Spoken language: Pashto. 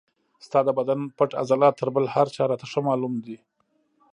ستا د بدن پټ عضلات تر بل هر چا راته ښه معلوم دي.